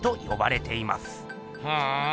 ふん。